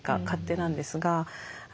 勝手なんですが。